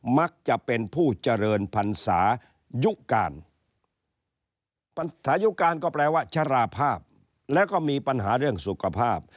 มักจะเป็นผู้เจริญพรรษายุการปัญหาุการก็แปลว่าชราภาพแล้วก็มีปัญหาเรื่องสุขภาพ